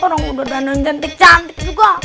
orang umur dan cantik cantik juga